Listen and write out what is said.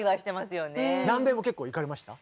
南米も結構行かれました？